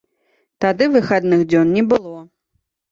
Тады выхадных дзён не было.